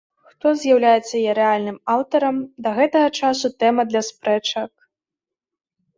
Хто з'яўляецца яе рэальным аўтарам, да гэтага часу тэма для спрэчак.